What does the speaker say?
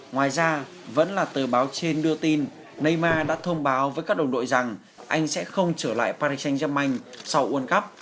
ngoài ra vẫn là tờ báo trên đưa tin neymar đã thông báo với các đồng đội rằng anh sẽ không trở lại paris saint germain sau world cup